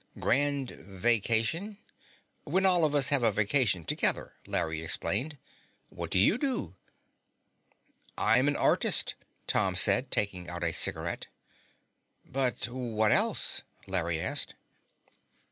"Grand vacation?" "When all of us have a vacation together," Larry explained. "What do you do?" "I'm an artist," Tom said, taking out a cigaret. "But what else?" Larry asked.